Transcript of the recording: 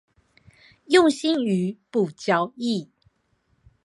用心於不交易